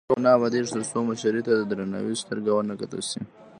افغانستان تر هغو نه ابادیږي، ترڅو مشرې ته د درناوي سترګه ونه کتل شي.